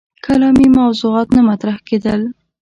کلامي موضوعات نه مطرح کېدل.